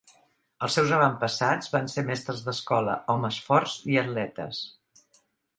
Els seus avantpassats van ser mestres d'escola, homes forts i atletes.